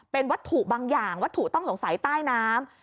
เป็นวัตถุบางอย่างวัตถุต้องสงสัยใต้น้ำ